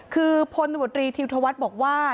คือพลบุรตรีธิวทวัฒน์บอกว่า